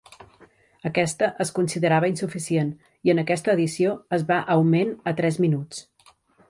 Aquesta es considerava insuficient, i en aquesta edició es va augment a tres minuts.